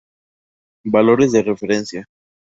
Valores de referencia